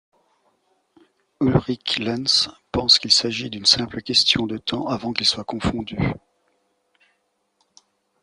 Ulrich Lenz pense qu'il s'agit d'une simple question de temps avant qu'il soit confondu.